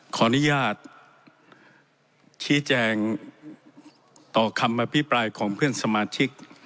ขออนุญาตชี้แจงต่อคำอภิปรายของเพื่อนสมาชิก